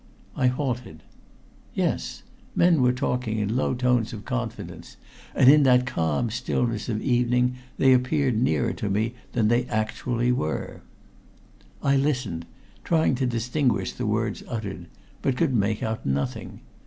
I halted. Yes. Men were talking in low tones of confidence, and in that calm stillness of evening they appeared nearer to me than they actually were. I listened, trying to distinguish the words uttered, but could make out nothing.